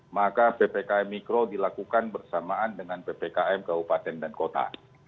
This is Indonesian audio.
maka ppkm mikro dilakukan bersamaan dengan ppkm kabupaten dan kota